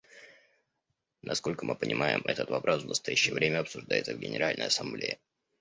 Насколько мы понимаем, этот вопрос в настоящее время обсуждается в Генеральной Ассамблее.